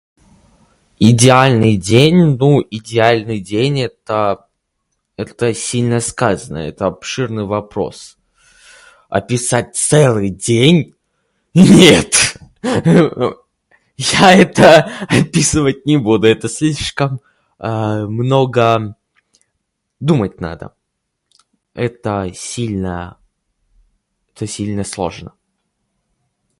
Идеальный день... ну, идеальный день — это... это сильно сказано. Это обширный вопрос. Описать целый день?! Нет! Я это описывать не буду, это слишком много... думать надо. Это сильно... это сильно сложно.